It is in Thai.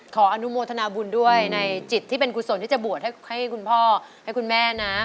ขออนุโมทนาบุญด้วยในจิตที่เป็นกุศลที่จะบวชให้คุณพ่อให้คุณแม่นะ